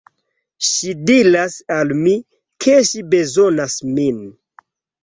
Ŝi diras al mi, ke ŝi bezonas min.